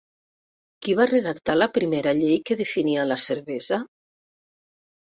Qui va redactar la primera llei que definia la cervesa?